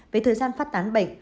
về thời gian phát tán bệnh